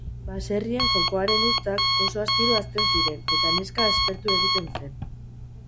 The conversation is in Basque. Baserrien jokoaren uztak oso astiro hazten ziren eta neska aspertu egiten zen.